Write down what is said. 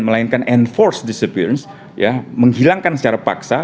melainkan enforced disappearance ya menghilangkan secara paksa